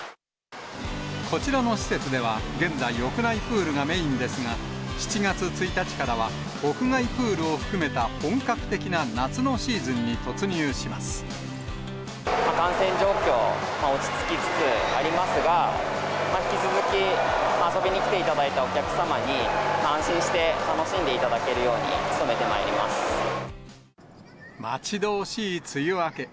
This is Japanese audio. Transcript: こちらの施設では、現在、屋内プールがメインですが、７月１日からは屋外プールを含めた本格的な夏のシーズンに突入し感染状況が落ち着きつつありますが、引き続き遊びにきていただいたお客様に安心して楽しんでいただけ待ち遠しい梅雨明け。